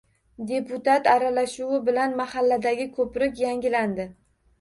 Deputat aralashuvi bilan mahalladagi ko‘prik yangilandi